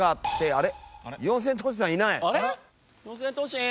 あれ？